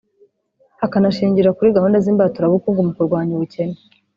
bikanashingira kuri gahunda z’imbaturabukungu mu kurwanya ubukene